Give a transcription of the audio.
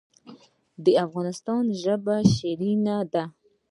د افغانستان ژبې شیرینې دي